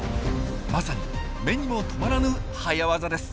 まさに目にも留まらぬ早ワザです。